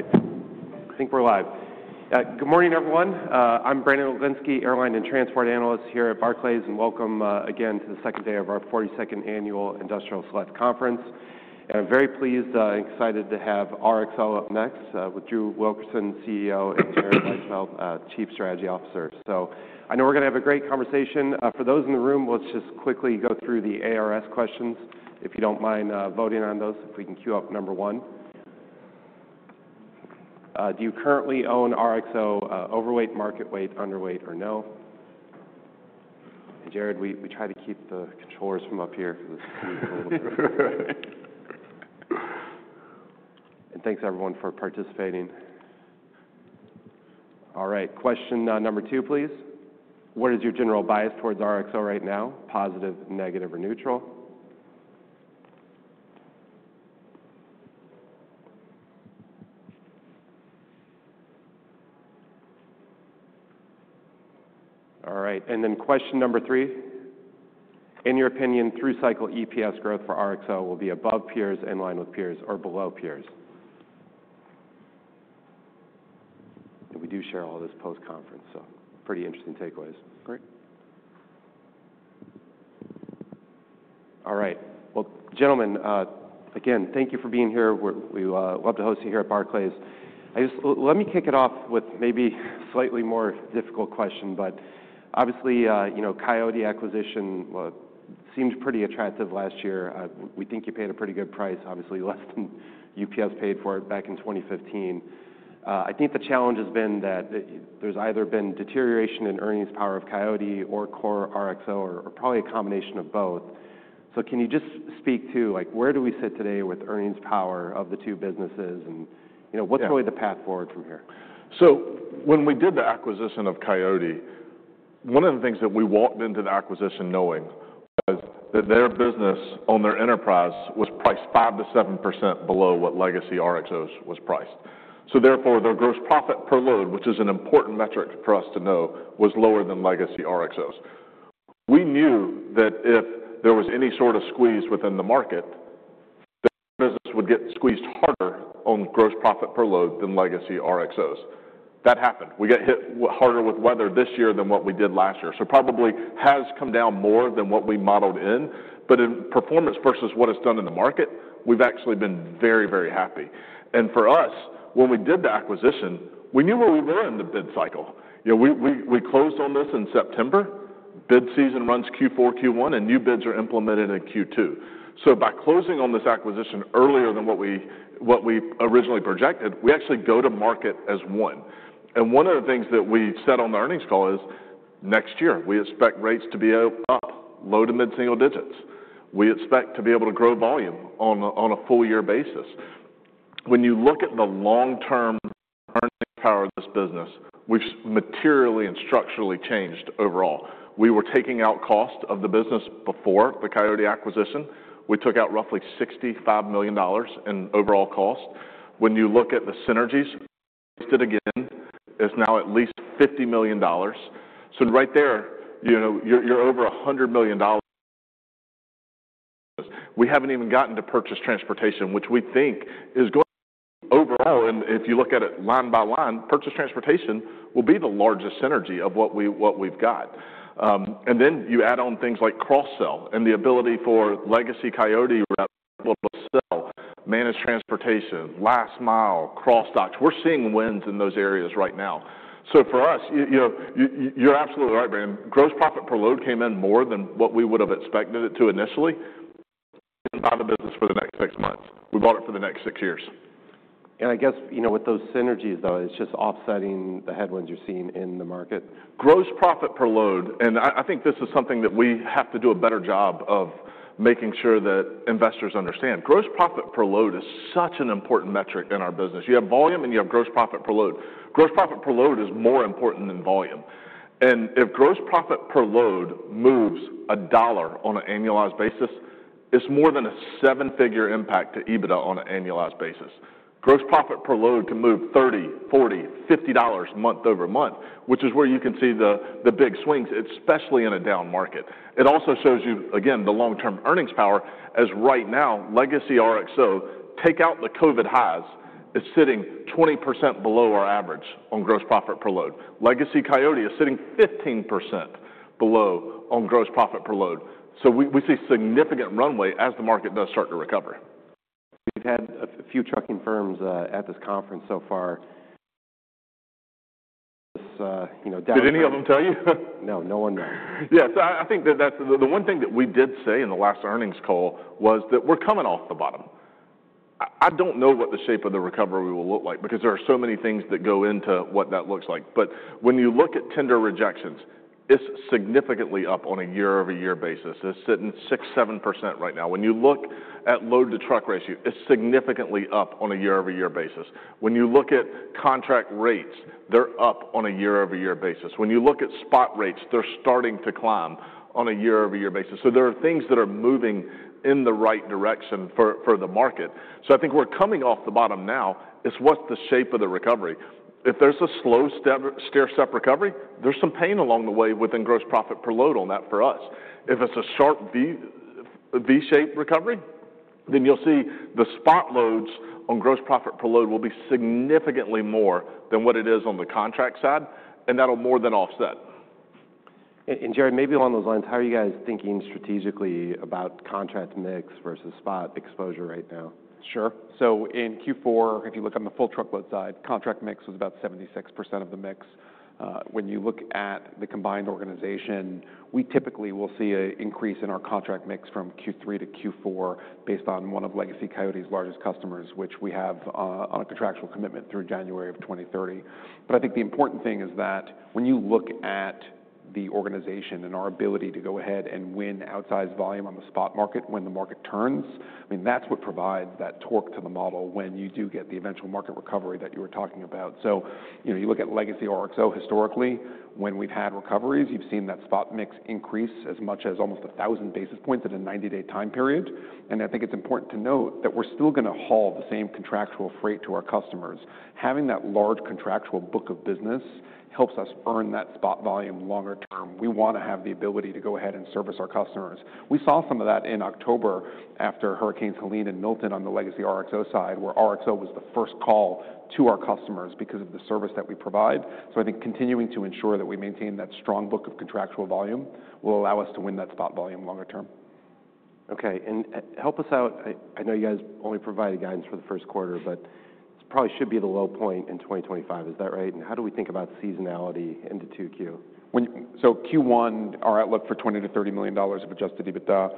All right. I think we're live. Good morning, everyone. I'm Brandon Oglenski, Airline and Transport Analyst here at Barclays, and welcome again to the second day of our 42nd annual Industrial Select Conference, and I'm very pleased and excited to have RXO up next with Drew Wilkerson, CEO, and Jared Weisfeld, Chief Strategy Officer, so I know we're going to have a great conversation. For those in the room, let's just quickly go through the ARS questions, if you don't mind voting on those, if we can queue up number one. Do you currently own RXO? Overweight, market weight, underweight, or no? And Jared, we try to keep the controllers from up here because it's a little bit, and thanks, everyone, for participating. All right, question number two, please. What is your general bias towards RXO right now? Positive, negative, or neutral? All right and then question number three. In your opinion, through cycle EPS growth for RXO will be above peers, in line with peers, or below peers? And we do share all this post-conference, so pretty interesting takeaways. Great. All right. Well, gentlemen, again, thank you for being here. We love to host you here at Barclays. Let me kick it off with maybe a slightly more difficult question, but obviously, Coyote acquisition seemed pretty attractive last year. We think you paid a pretty good price, obviously less than UPS paid for it back in 2015. I think the challenge has been that there's either been deterioration in earnings power of Coyote or core RXO, or probably a combination of both. So can you just speak to where do we sit today with earnings power of the two businesses, and what's really the path forward from here? When we did the acquisition of Coyote, one of the things that we walked into the acquisition knowing was that their business on their enterprise was priced 5%-7% below what legacy RXO's was priced. Therefore, their gross profit per load, which is an important metric for us to know, was lower than legacy RXO's. We knew that if there was any sort of squeeze within the market, the business would get squeezed harder on gross profit per load than legacy RXO's. That happened. We got hit harder with weather this year than what we did last year. Probably has come down more than what we modeled in. In performance versus what it's done in the market, we've actually been very, very happy. For us, when we did the acquisition, we knew where we were in the bid cycle. We closed on this in September. Bid season runs Q4, Q1, and new bids are implemented in Q2, so by closing on this acquisition earlier than what we originally projected, we actually go to market as one, and one of the things that we said on the earnings call is next year, we expect rates to be up, low to mid-single digits. We expect to be able to grow volume on a full-year basis. When you look at the long-term earnings power of this business, we've materially and structurally changed overall. We were taking out cost of the business before the Coyote acquisition. We took out roughly $65 million in overall cost. When you look at the synergies, we did again, it's now at least $50 million, so right there, you're over $100 million. We haven't even gotten to purchased transportation, which we think is going to overall, and if you look at it line by line, purchased transportation will be the largest synergy of what we've got, and then you add on things like cross-sell and the ability for legacy Coyote rep to sell, Managed Transportation, Last Mile, cross-docks. We're seeing wins in those areas right now, so for us, you're absolutely right, Brandon. Gross profit per load came in more than what we would have expected it to initially. We're going to buy the business for the next six months. We bought it for the next six years. And I guess with those synergies, though, it's just offsetting the headwinds you're seeing in the market. Gross profit per load, and I think this is something that we have to do a better job of making sure that investors understand. Gross profit per load is such an important metric in our business. You have volume and you have gross profit per load. Gross profit per load is more important than volume. And if gross profit per load moves a dollar on an annualized basis, it's more than a seven-figure impact to EBITDA on an annualized basis. Gross profit per load can move $30, $40, $50 month over month, which is where you can see the big swings, especially in a down market. It also shows you, again, the long-term earnings power as right now, legacy RXO, take out the COVID highs, is sitting 20% below our average on gross profit per load. Legacy Coyote is sitting 15% below on gross profit per load. So we see significant runway as the market does start to recover. We've had a few trucking firms at this conference so far. Did any of them tell you? No, no one knows. Yes, I think that that's the one thing that we did say in the last earnings call was that we're coming off the bottom. I don't know what the shape of the recovery will look like because there are so many things that go into what that looks like. But when you look at tender rejections, it's significantly up on a year-over-year basis. It's sitting 6%, 7% right now. When you look at load-to-truck ratio, it's significantly up on a year-over-year basis. When you look at contract rates, they're up on a year-over-year basis. When you look at spot rates, they're starting to climb on a year-over-year basis. So there are things that are moving in the right direction for the market. So I think we're coming off the bottom now. It's what's the shape of the recovery. If there's a slow stair-step recovery, there's some pain along the way within gross profit per load on that for us. If it's a sharp V-shaped recovery, then you'll see the spot loads on gross profit per load will be significantly more than what it is on the contract side, and that'll more than offset. Jared, maybe along those lines, how are you guys thinking strategically about contract mix versus spot exposure right now? Sure. So in Q4, if you look on the full truckload side, contract mix was about 76% of the mix. When you look at the combined organization, we typically will see an increase in our contract mix from Q3 to Q4 based on one of legacy Coyote's largest customers, which we have on a contractual commitment through January of 2030. But I think the important thing is that when you look at the organization and our ability to go ahead and win outsized volume on the spot market when the market turns, I mean, that's what provides that torque to the model when you do get the eventual market recovery that you were talking about. So you look at legacy RXO historically, when we've had recoveries, you've seen that spot mix increase as much as almost 1,000 basis points in a 90-day time period. I think it's important to note that we're still going to haul the same contractual freight to our customers. Having that large contractual book of business helps us earn that spot volume longer term. We want to have the ability to go ahead and service our customers. We saw some of that in October after Hurricanes Helene and Milton on the legacy RXO side, where RXO was the first call to our customers because of the service that we provide. I think continuing to ensure that we maintain that strong book of contractual volume will allow us to win that spot volume longer term. Okay. And help us out. I know you guys only provided guidance for the first quarter, but this probably should be the low point in 2025. Is that right? And how do we think about seasonality into Q2? Q1, our outlook for $20 million-$30 million of Adjusted EBITDA.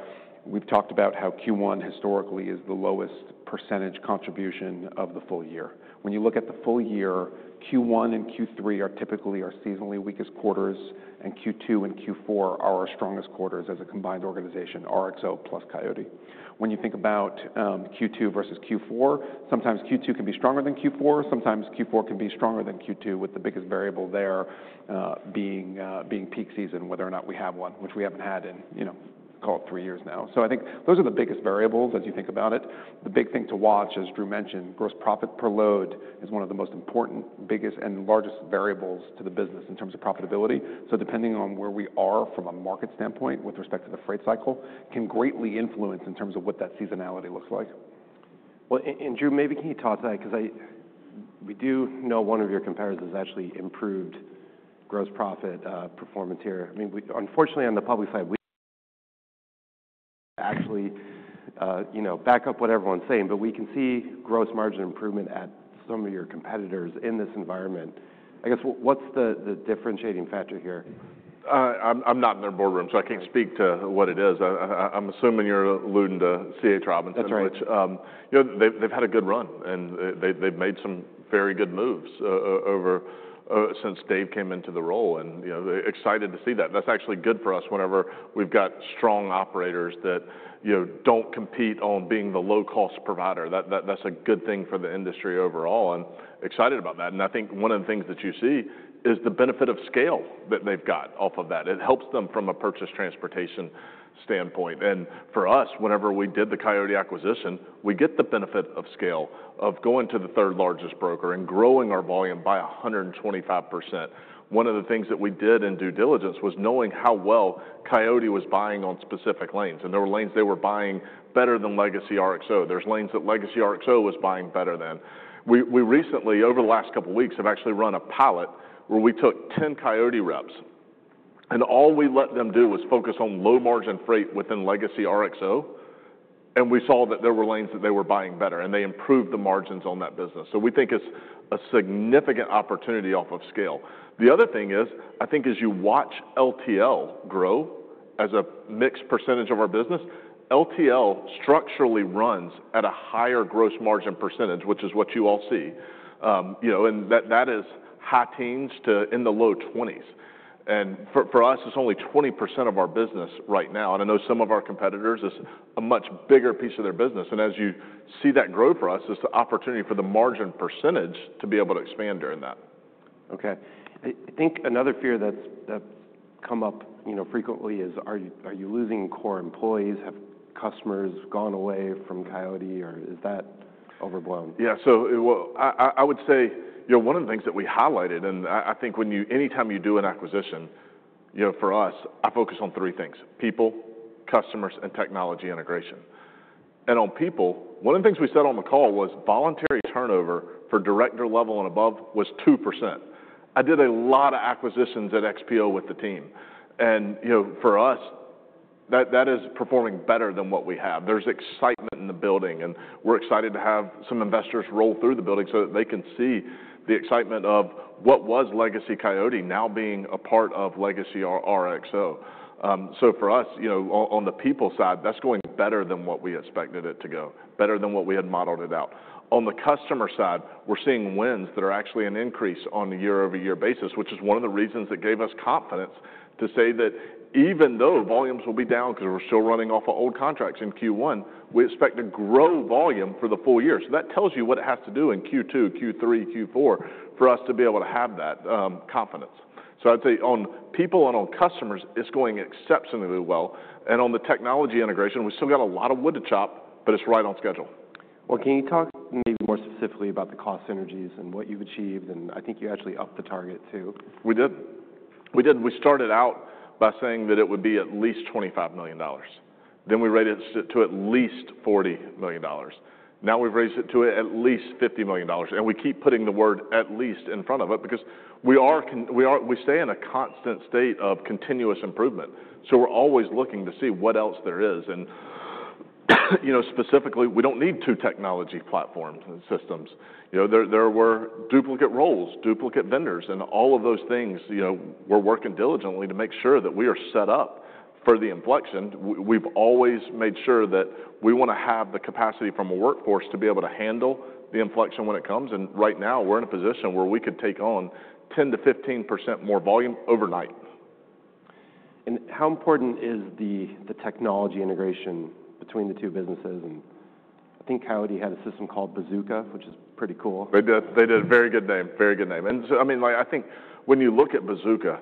We've talked about how Q1 historically is the lowest percentage contribution of the full year. When you look at the full year, Q1 and Q3 are typically our seasonally weakest quarters, and Q2 and Q4 are our strongest quarters as a combined organization, RXO plus Coyote. When you think about Q2 versus Q4, sometimes Q2 can be stronger than Q4. Sometimes Q4 can be stronger than Q2, with the biggest variable there being peak season, whether or not we have one, which we haven't had in, call it, three years now. I think those are the biggest variables as you think about it. The big thing to watch, as Drew mentioned, gross profit per load is one of the most important, biggest, and largest variables to the business in terms of profitability. So depending on where we are from a market standpoint with respect to the freight cycle can greatly influence in terms of what that seasonality looks like. Drew, maybe can you toss that? Because we do know one of your competitors has actually improved gross profit performance here. I mean, unfortunately, on the public side, we actually back up what everyone's saying, but we can see gross margin improvement at some of your competitors in this environment. I guess what's the differentiating factor here? I'm not in their boardroom, so I can't speak to what it is. I'm assuming you're alluding to C.H. Robinson, which they've had a good run, and they've made some very good moves since Dave came into the role, and excited to see that. That's actually good for us whenever we've got strong operators that don't compete on being the low-cost provider. That's a good thing for the industry overall, and excited about that. I think one of the things that you see is the benefit of scale that they've got off of that. It helps them from a purchased transportation standpoint. For us, whenever we did the Coyote acquisition, we get the benefit of scale, of going to the third largest broker and growing our volume by 125%. One of the things that we did in due diligence was knowing how well Coyote was buying on specific lanes. And there were lanes they were buying better than legacy RXO. There were lanes that legacy RXO was buying better than. We recently, over the last couple of weeks, have actually run a pilot where we took 10 Coyote reps, and all we let them do was focus on low-margin freight within legacy RXO, and we saw that there were lanes that they were buying better, and they improved the margins on that business. So we think it's a significant opportunity off of scale. The other thing is, I think as you watch LTL grow as a mix percentage of our business, LTL structurally runs at a higher gross margin percentage, which is what you all see. And that is high teens% to the low 20s%. And for us, it's only 20% of our business right now. And I know some of our competitors, it's a much bigger piece of their business. And as you see that grow for us, it's the opportunity for the margin percentage to be able to expand during that. Okay. I think another fear that's come up frequently is, are you losing core employees? Have customers gone away from Coyote, or is that overblown? Yeah. So I would say one of the things that we highlighted, and I think anytime you do an acquisition, for us, I focus on three things: people, customers, and technology integration. And on people, one of the things we said on the call was voluntary turnover for director level and above was 2%. I did a lot of acquisitions at XPO with the team. And for us, that is performing better than what we have. There's excitement in the building, and we're excited to have some investors roll through the building so that they can see the excitement of what was legacy Coyote now being a part of legacy RXO. So for us, on the people side, that's going better than what we expected it to go, better than what we had modeled it out. On the customer side, we're seeing wins that are actually an increase on a year-over-year basis, which is one of the reasons that gave us confidence to say that even though volumes will be down because we're still running off of old contracts in Q1, we expect to grow volume for the full year. So that tells you what it has to do in Q2, Q3, Q4 for us to be able to have that confidence. So I'd say on people and on customers, it's going exceptionally well and on the technology integration, we still got a lot of wood to chop, but it's right on schedule. Can you talk maybe more specifically about the cost synergies and what you've achieved? I think you actually upped the target too. We did. We did. We started out by saying that it would be at least $25 million. Then we raised it to at least $40 million. Now we've raised it to at least $50 million. And we keep putting the word at least in front of it because we stay in a constant state of continuous improvement. So we're always looking to see what else there is. And specifically, we don't need two technology platforms and systems. There were duplicate roles, duplicate vendors, and all of those things. We're working diligently to make sure that we are set up for the inflection. We've always made sure that we want to have the capacity from a workforce to be able to handle the inflection when it comes. And right now, we're in a position where we could take on 10%-15% more volume overnight. How important is the technology integration between the two businesses? I think Coyote had a system called Bazooka, which is pretty cool. They did a very good name, very good name. And I mean, I think when you look at Bazooka,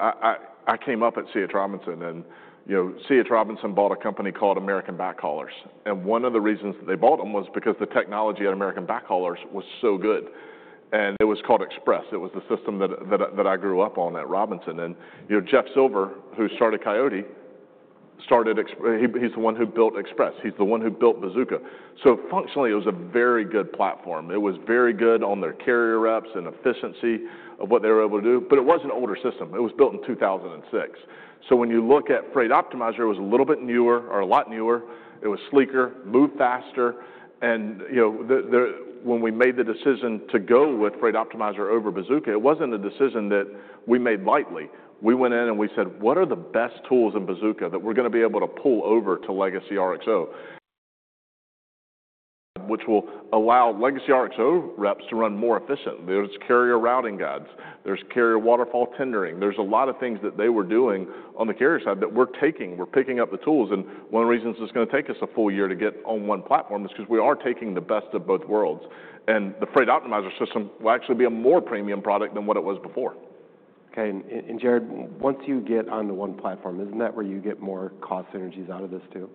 I came up at C.H. Robinson, and C.H. Robinson bought a company called American Backhaulers. And one of the reasons that they bought them was because the technology at American Backhaulers was so good. And it was called Express. It was the system that I grew up on at Robinson. And Jeff Silver, who started Coyote, started Express. He's the one who built Express. He's the one who built Bazooka. So functionally, it was a very good platform. It was very good on their carrier reps and efficiency of what they were able to do. But it was an older system. It was built in 2006. So when you look at Freight Optimizer, it was a little bit newer or a lot newer. It was sleeker, moved faster. When we made the decision to go with Freight Optimizer over Bazooka, it wasn't a decision that we made lightly. We went in and we said, "What are the best tools in Bazooka that we're going to be able to pull over to legacy RXO, which will allow legacy RXO reps to run more efficiently?" There's carrier routing guides. There's carrier waterfall tendering. There's a lot of things that they were doing on the carrier side that we're taking. We're picking up the tools. One of the reasons it's going to take us a full year to get on one platform is because we are taking the best of both worlds. The Freight Optimizer system will actually be a more premium product than what it was before. Okay, and Jared, once you get onto one platform, isn't that where you get more cost synergies out of this too?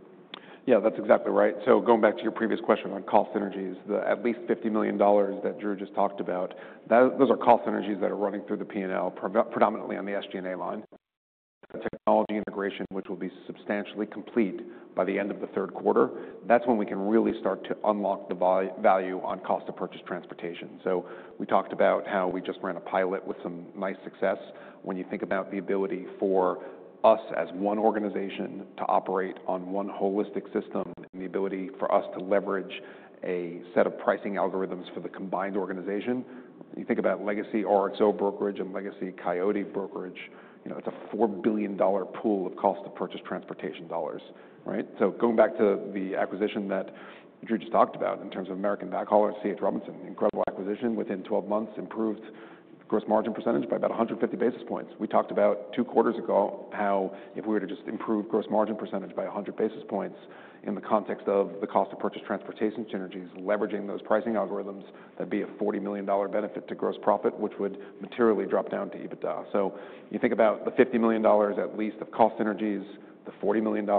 Yeah, that's exactly right. So going back to your previous question on cost synergies, the at least $50 million that Drew just talked about, those are cost synergies that are running through the P&L, predominantly on the SG&A line. Technology integration, which will be substantially complete by the end of the third quarter, that's when we can really start to unlock the value on cost of purchased transportation. So we talked about how we just ran a pilot with some nice success. When you think about the ability for us as one organization to operate on one holistic system and the ability for us to leverage a set of pricing algorithms for the combined organization, you think about legacy RXO brokerage and legacy Coyote brokerage, it's a $4 billion pool of cost of purchased transportation dollars, right? So going back to the acquisition that Drew just talked about in terms of American Backhaulers, C.H. Robinson, incredible acquisition within 12 months, improved gross margin percentage by about 150 basis points. We talked about two quarters ago how if we were to just improve gross margin percentage by 100 basis points in the context of the cost of purchased transportation synergies, leveraging those pricing algorithms, that'd be a $40 million benefit to gross profit, which would materially drop down to EBITDA. So you think about the $50 million at least of cost synergies, the $40 million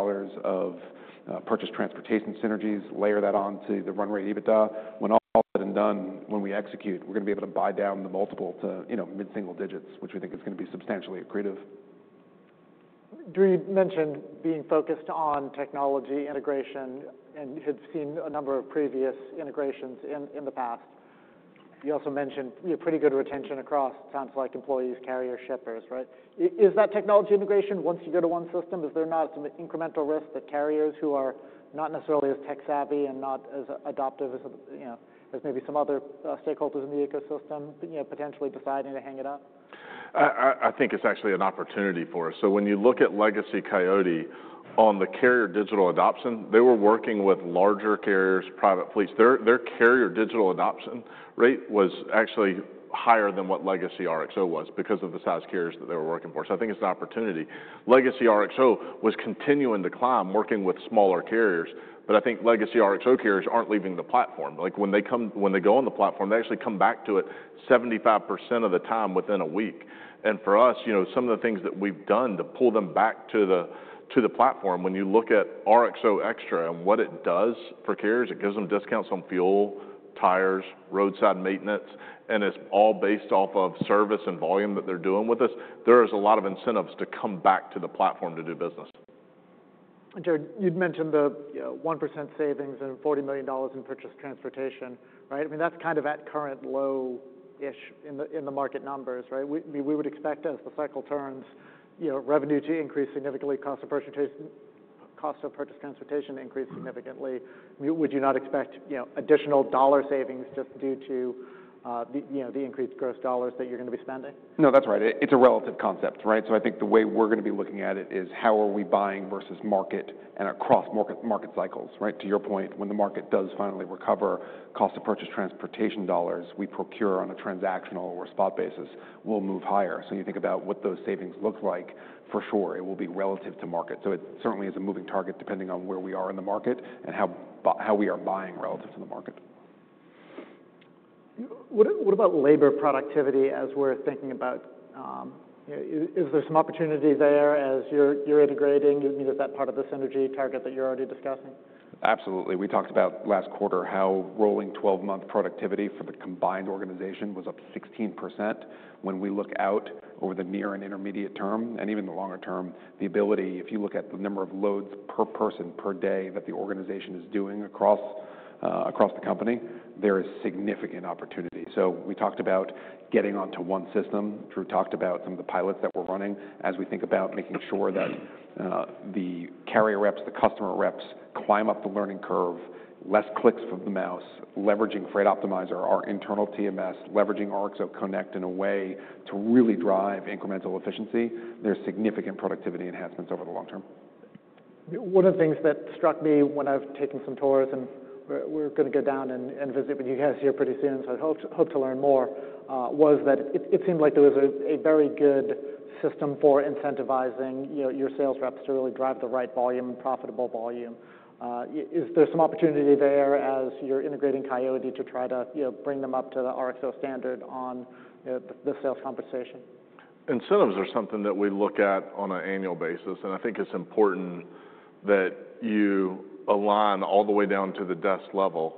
of purchased transportation synergies, layer that onto the run rate EBITDA. When all is said and done, when we execute, we're going to be able to buy down the multiple to mid-single digits, which we think is going to be substantially accretive. Drew, you mentioned being focused on technology integration and had seen a number of previous integrations in the past. You also mentioned you have pretty good retention across, it sounds like, employees, carriers, shippers, right? Is that technology integration, once you go to one system, is there not some incremental risk that carriers who are not necessarily as tech-savvy and not as adaptive as maybe some other stakeholders in the ecosystem potentially deciding to hang it up? I think it's actually an opportunity for us, so when you look at legacy Coyote on the carrier digital adoption, they were working with larger carriers, private fleets. Their carrier digital adoption rate was actually higher than what legacy RXO was because of the size carriers that they were working for, so I think it's an opportunity. Legacy RXO was continuing to climb, working with smaller carriers, but I think legacy RXO carriers aren't leaving the platform. When they go on the platform, they actually come back to it 75% of the time within a week, and for us, some of the things that we've done to pull them back to the platform, when you look at RXO Extra and what it does for carriers, it gives them discounts on fuel, tires, roadside maintenance, and it's all based off of service and volume that they're doing with us. There is a lot of incentives to come back to the platform to do business. Jared, you'd mentioned the 1% savings and $40 million in purchased transportation, right? I mean, that's kind of at current low-ish in the market numbers, right? We would expect, as the cycle turns, revenue to increase significantly, cost of purchased transportation to increase significantly. Would you not expect additional dollar savings just due to the increased gross dollars that you're going to be spending? No, that's right. It's a relative concept, right? So I think the way we're going to be looking at it is how are we buying versus market and across market cycles, right? To your point, when the market does finally recover, cost of purchased transportation dollars we procure on a transactional or spot basis will move higher. So you think about what those savings look like, for sure, it will be relative to market. So it certainly is a moving target depending on where we are in the market and how we are buying relative to the market. What about labor productivity, as we're thinking about, is there some opportunity there as you're integrating? Is that part of the synergy target that you're already discussing? Absolutely. We talked about last quarter how rolling 12-month productivity for the combined organization was up 16%. When we look out over the near and intermediate term and even the longer term, the ability, if you look at the number of loads per person per day that the organization is doing across the company, there is significant opportunity, so we talked about getting onto one system. Drew talked about some of the pilots that we're running as we think about making sure that the carrier reps, the customer reps climb up the learning curve, less clicks from the mouse, leveraging Freight Optimizer, our internal TMS, leveraging RXO Connect in a way to really drive incremental efficiency. There's significant productivity enhancements over the long term. One of the things that struck me when I've taken some tours and we're going to go down and visit with you guys here pretty soon, so I hope to learn more, was that it seemed like there was a very good system for incentivizing your sales reps to really drive the right volume, profitable volume. Is there some opportunity there as you're integrating Coyote to try to bring them up to the RXO standard on the sales compensation? Incentives are something that we look at on an annual basis. I think it's important that you align all the way down to the desk level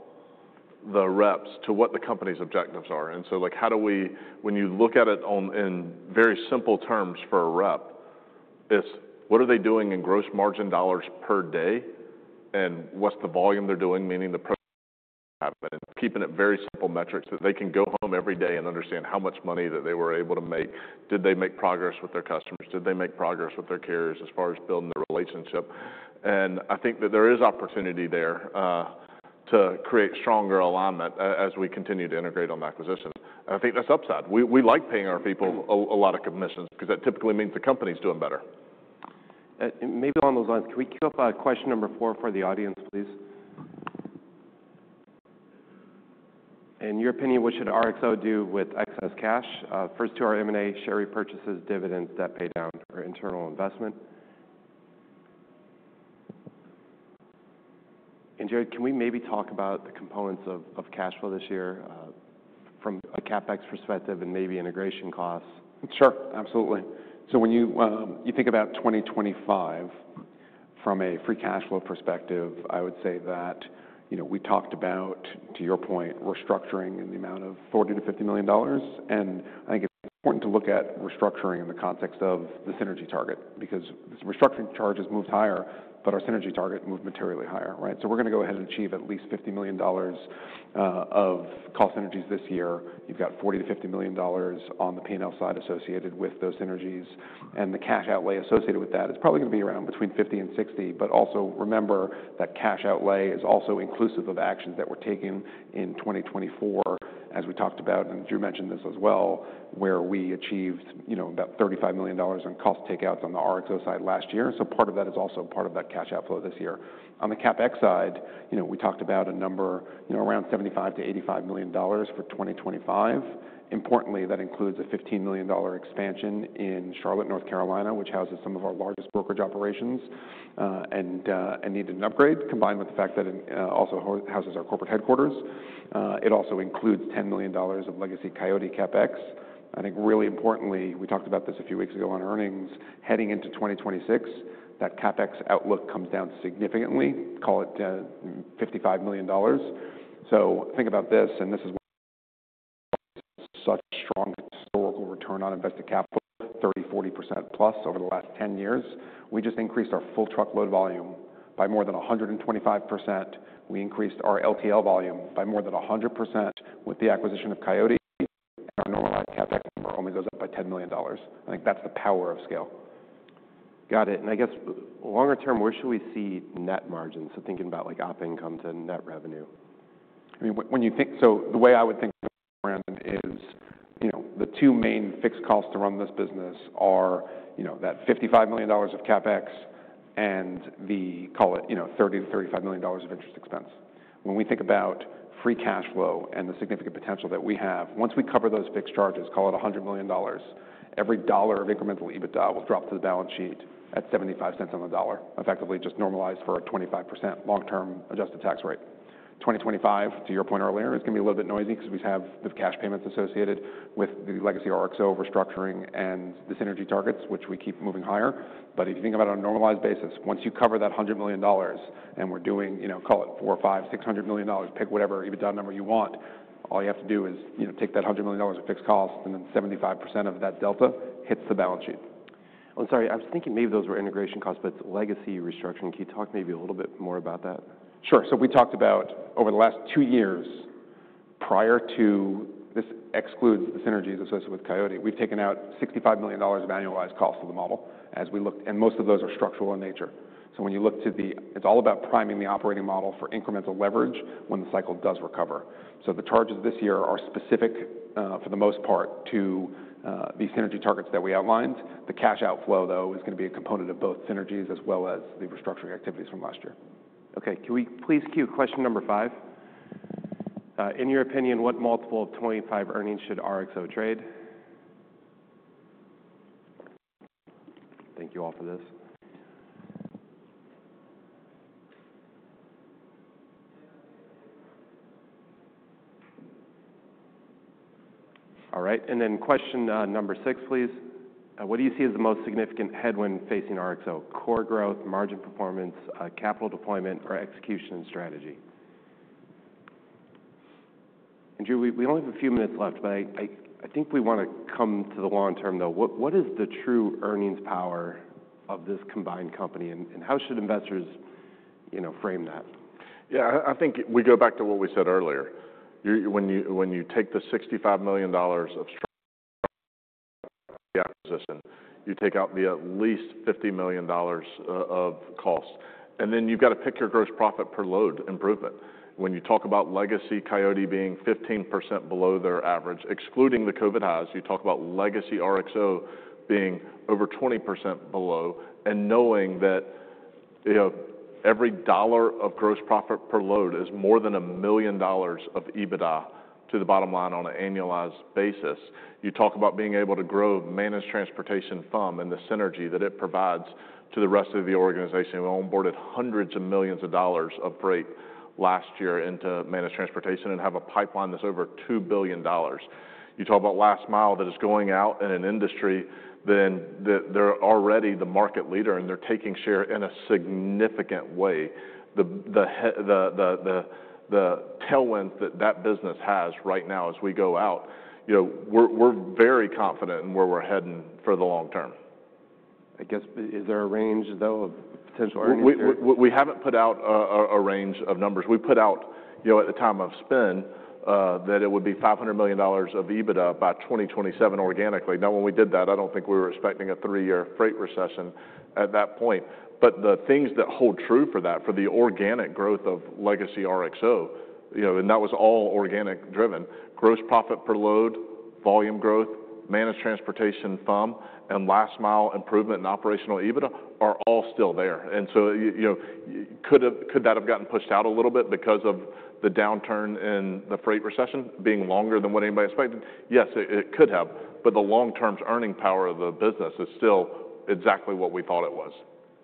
the reps to what the company's objectives are. So how do we, when you look at it in very simple terms for a rep, it's what are they doing in gross margin dollars per day and what's the volume they're doing, meaning the throughput, keeping it very simple metrics that they can go home every day and understand how much money that they were able to make. Did they make progress with their customers? Did they make progress with their carriers as far as building the relationship? I think that there is opportunity there to create stronger alignment as we continue to integrate on the acquisition. I think that's upside. We like paying our people a lot of commissions because that typically means the company's doing better. Maybe along those lines, can we cue up question number four for the audience, please? In your opinion, what should RXO do with excess cash? First, to our M&A, share repurchases, dividends, debt pay down, or internal investment. And Jared, can we maybe talk about the components of cash flow this year from a CapEx perspective and maybe integration costs? Sure. Absolutely, so when you think about 2025, from a free cash flow perspective, I would say that we talked about, to your point, restructuring in the amount of $40 million-$50 million, and I think it's important to look at restructuring in the context of the synergy target because restructuring charges moved higher, but our synergy target moved materially higher, right, so we're going to go ahead and achieve at least $50 million of cost synergies this year. You've got $40 million-$50 million on the P&L side associated with those synergies, and the cash outlay associated with that is probably going to be around between $50 and $60. But also remember that cash outlay is also inclusive of actions that we're taking in 2024, as we talked about, and Drew mentioned this as well, where we achieved about $35 million in cost takeouts on the RXO side last year. So part of that is also part of that cash outflow this year. On the CapEx side, we talked about a number around $75 million-$85 million for 2025. Importantly, that includes a $15 million expansion in Charlotte, North Carolina, which houses some of our largest brokerage operations and needed an upgrade, combined with the fact that it also houses our corporate headquarters. It also includes $10 million of legacy Coyote CapEx. I think really importantly, we talked about this a few weeks ago on earnings, heading into 2026, that CapEx outlook comes down significantly, call it $55 million. Think about this, and this is such a strong historical return on invested capital, 30%-40%+ over the last 10 years. We just increased our full truck load volume by more than 125%. We increased our LTL volume by more than 100% with the acquisition of Coyote, and our normalized CapEx number only goes up by $10 million. I think that's the power of scale. Got it. And I guess longer term, where should we see net margins? So thinking about op income to net revenue. I mean, when you think, so the way I would think around it is the two main fixed costs to run this business are that $55 million of CapEx and the, call it $30 million-$35 million of interest expense. When we think about free cash flow and the significant potential that we have, once we cover those fixed charges, call it $100 million, every dollar of incremental EBITDA will drop to the balance sheet at $0.75 on the dollar, effectively just normalized for a 25% long-term adjusted tax rate. 2025, to your point earlier, is going to be a little bit noisy because we have the cash payments associated with the legacy RXO restructuring and the synergy targets, which we keep moving higher. But if you think about it on a normalized basis, once you cover that $100 million and we're doing, call it $400 million, $500 million, $600 million, pick whatever EBITDA number you want, all you have to do is take that $100 million of fixed costs, and then 75% of that delta hits the balance sheet. Sorry, I was thinking maybe those were integration costs, but it's legacy restructuring. Can you talk maybe a little bit more about that? Sure. So we talked about over the last two years, prior to this excludes the synergies associated with Coyote, we've taken out $65 million of annualized costs of the model as we looked, and most of those are structural in nature. So when you look to the, it's all about priming the operating model for incremental leverage when the cycle does recover. So the charges this year are specific for the most part to the synergy targets that we outlined. The cash outflow, though, is going to be a component of both synergies as well as the restructuring activities from last year. Okay. Can we please cue question number five? In your opinion, what multiple of 25 earnings should RXO trade? Thank you all for this. All right. And then question number six, please. What do you see as the most significant headwind facing RXO? Core growth, margin performance, capital deployment, or execution and strategy? And Drew, we only have a few minutes left, but I think we want to come to the long term, though. What is the true earnings power of this combined company, and how should investors frame that? Yeah, I think we go back to what we said earlier. When you take the $65 million of the acquisition, you take out the at least $50 million of costs, and then you've got to pick your gross profit per load and prove it. When you talk about legacy Coyote being 15% below their average, excluding the COVID highs, you talk about legacy RXO being over 20% below, and knowing that every dollar of gross profit per load is more than a million dollars of EBITDA to the bottom line on an annualized basis. You talk about being able to grow Managed Transportation farm and the synergy that it provides to the rest of the organization. We onboarded hundreds of millions of dollars of freight last year into Managed Transportation and have a pipeline that's over $2 billion. You talk about Last Mile that is going out in an industry that they're already the market leader and they're taking share in a significant way. The tailwind that that business has right now as we go out, we're very confident in where we're heading for the long term. I guess, is there a range, though, of potential earnings? We haven't put out a range of numbers. We put out at the time of spin that it would be $500 million of EBITDA by 2027 organically. Now, when we did that, I don't think we were expecting a three-year freight recession at that point. But the things that hold true for that, for the organic growth of legacy RXO, and that was all organic driven, gross profit per load, volume growth, Managed Transportation farm, and Last Mile improvement in operational EBITDA are all still there. And so could that have gotten pushed out a little bit because of the downturn in the freight recession being longer than what anybody expected? Yes, it could have. But the long-term earning power of the business is still exactly what we thought it was.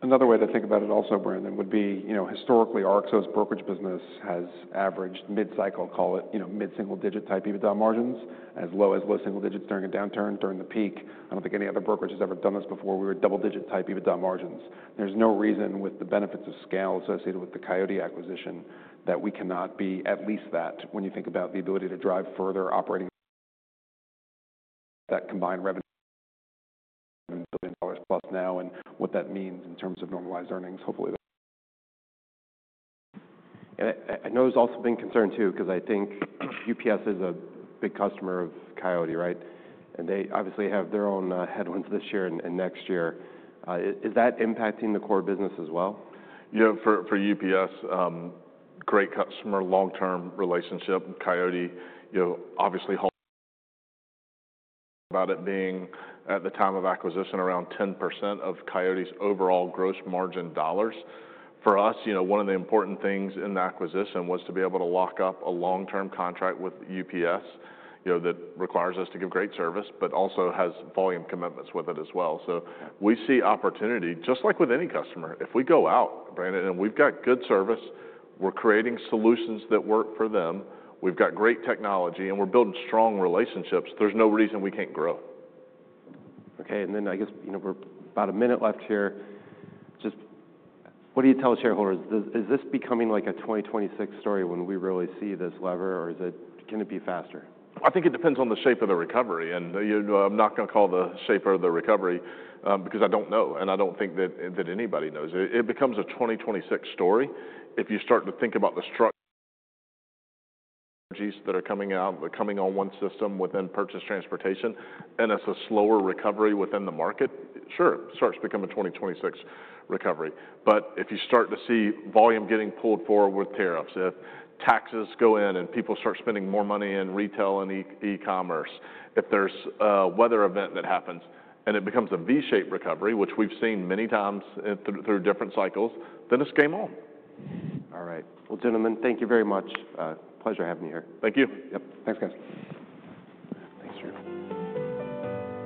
Another way to think about it also, Brandon, would be historically RXO's brokerage business has averaged mid-cycle, call it mid-single-digit type EBITDA margins, as low as low single digits during a downturn, during the peak. I don't think any other brokerage has ever done this before. We were double-digit type EBITDA margins. There's no reason with the benefits of scale associated with the Coyote acquisition that we cannot be at least that when you think about the ability to drive further operating that combined revenue of $7 billion plus now and what that means in terms of normalized earnings. Hopefully. And I know there's also been concern too because I think UPS is a big customer of Coyote, right? And they obviously have their own headwinds this year and next year. Is that impacting the core business as well? Yeah, for UPS, great customer, long-term relationship. Coyote, obviously. About it being at the time of acquisition around 10% of Coyote's overall gross margin dollars. For us, one of the important things in the acquisition was to be able to lock up a long-term contract with UPS that requires us to give great service, but also has volume commitments with it as well. So we see opportunity, just like with any customer. If we go out, Brandon, and we've got good service, we're creating solutions that work for them, we've got great technology, and we're building strong relationships, there's no reason we can't grow. Okay. And then I guess we're about a minute left here. Just what do you tell shareholders? Is this becoming like a 2026 story when we really see this lever, or can it be faster? I think it depends on the shape of the recovery, and I'm not going to call the shape of the recovery because I don't know, and I don't think that anybody knows. It becomes a 2026 story. If you start to think about the strong synergies that are coming out, coming on one system within purchased transportation, and it's a slower recovery within the market, sure, it starts to become a 2026 recovery, but if you start to see volume getting pulled forward with tariffs, if taxes go in and people start spending more money in retail and e-commerce, if there's a weather event that happens and it becomes a V-shaped recovery, which we've seen many times through different cycles, then it's game on. All right. Well, gentlemen, thank you very much. Pleasure having you here. Thank you. Yep. Thanks, guys. Thanks, Drew.